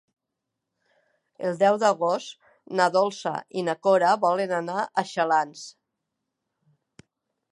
El deu d'agost na Dolça i na Cora volen anar a Xalans.